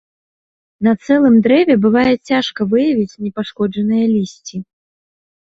На цэлым дрэве бывае цяжка выявіць непашкоджаныя лісці.